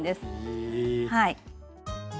はい。